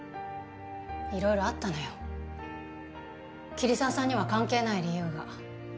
いろいろあったのよ桐沢さんには関係ない理由が。